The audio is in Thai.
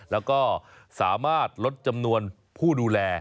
แล้วก็สามารถลดจำนวนผู้ดูแล